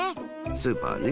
スーパーね。